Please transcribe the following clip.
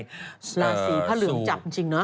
ลาศีพระเหลืองจับจริงนะฮะ